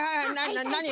なに？